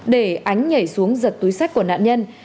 để ánh nhảy xuống giật túi sách của nạn nhân